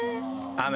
「雨？